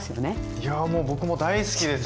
いやもう僕も大好きです